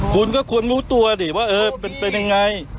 ไม่คุณก็ควรรู้ตัวดิว่าเออเป็นเป็นยังไง